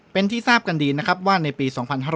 เป็นที่ทราบกันดีนะครับว่าในปี๒๕๕๙